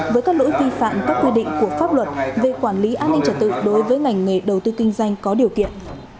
với các lỗi vi phạm các quy định của pháp luật về quản lý an ninh trật tự đối với ngành nghề đầu tư kinh doanh có điều kiện